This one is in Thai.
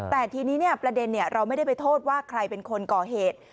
แต่ทีนี้ประเด็นเราไม่ได้ไปโทษว่าใครเป็นคนก่อเหตุ